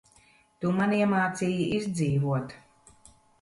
Tu man iemācīji izdzīvot.